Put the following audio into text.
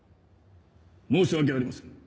申し訳ありません。